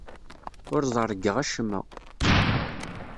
Ur ẓerrgeɣ acemma.